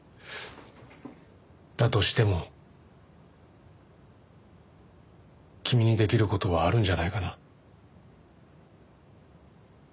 だとしても君にできる事はあるんじゃないかな？